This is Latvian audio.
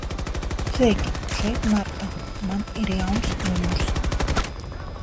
Sveiki, šeit Marta. Man ir jauns numurs.